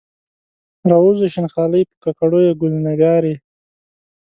راووځه شین خالۍ، په کاکړیو ګل نګارې